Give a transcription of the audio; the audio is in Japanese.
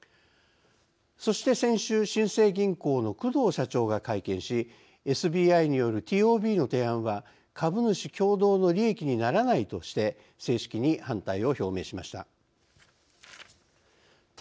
そして先週新生銀行の工藤社長が会見しＳＢＩによるＴＯＢの提案は「株主共同の利益にならない」として正式に「反対」を表明しました。